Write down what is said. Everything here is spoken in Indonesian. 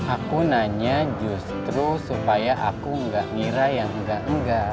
aku nanya justru supaya aku nggak ngira yang enggak enggak